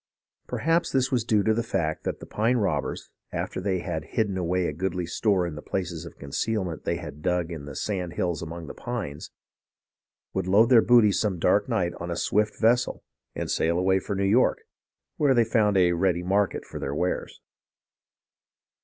Perhaps this was due to the fact that the pine robbers, after they had hidden away a goodly store in the places of conceal ment they had dug in the sand hills among the pines, would load their booty some dark night on a swift ves sel, and sail away for New York, where they found a ready market for their wares.